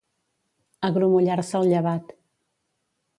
Agrumollar-se el llevat.